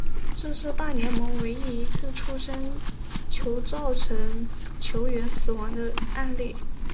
这是大联盟唯一一次触身球造成球员死亡的案例。